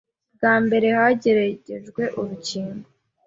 Bwa mbere hageragejwe urukingo